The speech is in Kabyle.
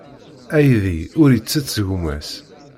Aydi ur ittett gma-s.